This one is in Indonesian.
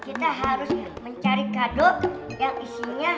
kita harus mencari kado yang isinya